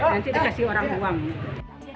nanti dikasih orang uang